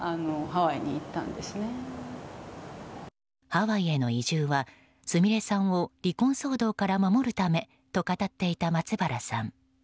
ハワイへの移住はすみれさんを離婚騒動から守るためと語っていた松原さん。